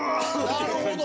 なるほど。